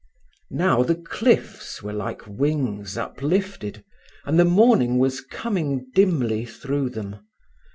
Now the cliffs were like wings uplifted, and the morning was coming dimly through them.